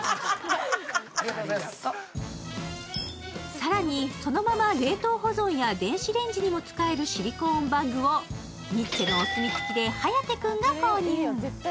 更に、そのまま冷凍保存や電子レンジも使えるバッグをニッチェのお墨つきで颯君が購入。